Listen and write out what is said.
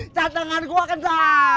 cat tangan gue kena